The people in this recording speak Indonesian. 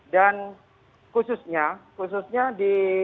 dan khususnya khususnya di